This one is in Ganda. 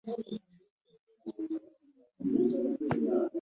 Nfuba nyanguwe nve wano ngende nsome ebitabo .